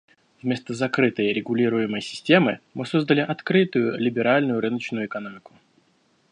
Вместо закрытой, регулируемой системы мы создали открытую, либеральную рыночную экономику.